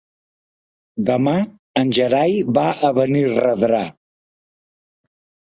Demà en Gerai va a Benirredrà.